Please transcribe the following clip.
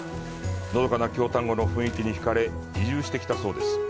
のどかな京丹後の雰囲気に引かれ、移住してきたそうです。